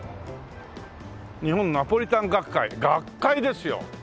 「日本ナポリタン学会」学会ですよ。